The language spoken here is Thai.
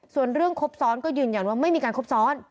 ส่วนเรื่องครบซ้อนก็ยืนยันว่าไม่มีการคบซ้อน